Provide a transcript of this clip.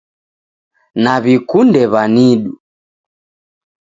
Naw'ikunde w'anidu